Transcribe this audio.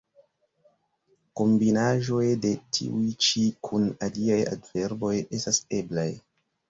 Kombinaĵoj de tiuj ĉi kun aliaj adverboj estas eblaj.